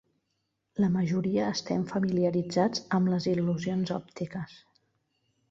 La majoria estem familiaritzats amb les il·lusions òptiques.